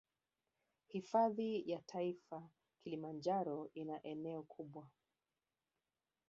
Hifadhi ya taifa kilimanjaro ina eneo kubwa